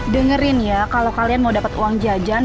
dengerin ya kalau kalian mau dapat uang jajan